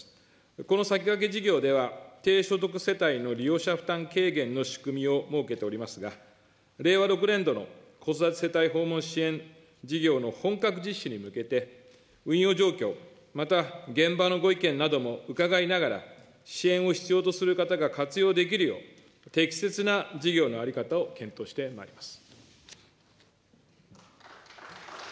この先駆け事業では、低所得世帯の利用者負担軽減の仕組みを設けておりますが、令和６年度の子育て世帯訪問支援事業の本格実施に向けて、運用状況、また現場のご意見なども伺いながら、支援を必要とする方が活用できるよう、適切な事業の在り方を検討してまいります。